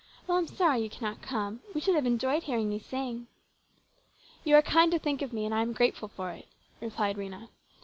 Well, I'm sorry you cannot come. We should have enjoyed hearing you sing." " You are kind to think of me and I am grateful for it," replied Rhena.